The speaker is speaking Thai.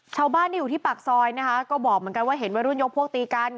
ชาวบ้านที่อยู่ที่ปากซอยนะคะก็บอกเหมือนกันว่าเห็นวัยรุ่นยกพวกตีกัน